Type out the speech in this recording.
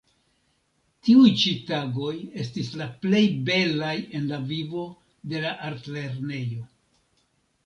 Tiuj ĉi tagoj estis la plej belaj en la vivo de la artlernejo.